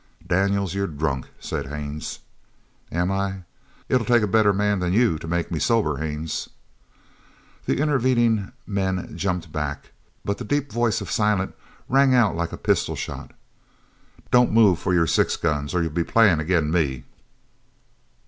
"Daniels, you're drunk," said Haines. "Am I? It'll take a better man than you to make me sober, Haines!" The intervening men jumped back, but the deep voice of Silent rang out like a pistol shot: "Don't move for your six guns, or you'll be playin' agin me!"